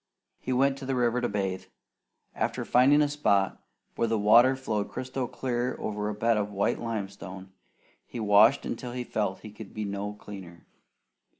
He went to the river to bathe. After finding a spot where the water flowed crystal clear over a bed of white limestone, he washed until he felt that he could be no cleaner.